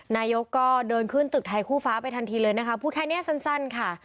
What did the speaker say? นายกก็เดินขึ้นตึกไทยคู่ฟ้าไปทันทีเลยนะคะพูดแค่นี้สั้นค่ะ